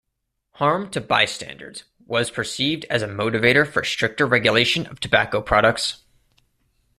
Harm to bystanders was perceived as a motivator for stricter regulation of tobacco products.